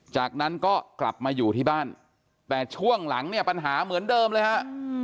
จากนั้นก็กลับมาอยู่ที่บ้านแต่ช่วงหลังเนี่ยปัญหาเหมือนเดิมเลยฮะ